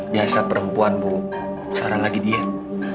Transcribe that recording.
biasa perempuan bu sekarang lagi diet